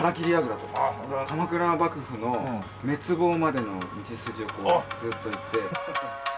鎌倉幕府の滅亡までの道筋をずっと行って。